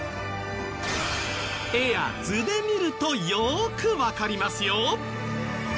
絵や図で見るとよくわかりますよ！